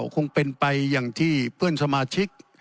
คงเป็นไปอย่างที่เพื่อนสมาชิก